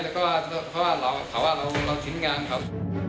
แค่เขาว่าเราทิ้งงานครับ